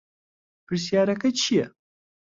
پرسیارەکە چییە؟